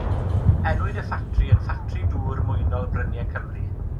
Enwyd y ffatri yn Ffatri Dŵr Mwynol Bryniau Cymru.